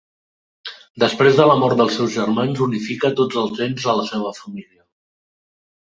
Després de la mort dels seus germans unifica tots els béns de la seva família.